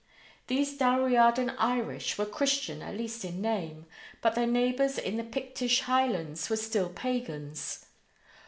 These Dalriadan Irish were Christian at least in name, but their neighbors in the Pictish Highlands were still pagans.